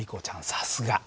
さすが。